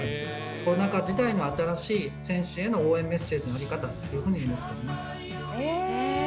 コロナ禍時代の新しい選手への応援メッセージの在り方だと思っております。